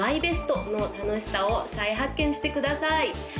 ＭＹＢＥＳＴの楽しさを再発見してください